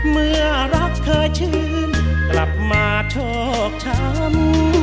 เมื่อรักเคยชื่นกลับมาโชคฉัน